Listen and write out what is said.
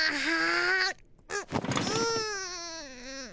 うん。